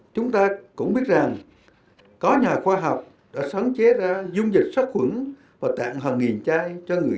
chúng ta cũng biết rằng có nhà khoa học đã sáng chế ra dung dịch sắc khuẩn và tặng hàng nghìn chai